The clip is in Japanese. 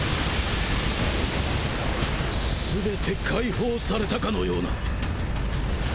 全て解放されたかのような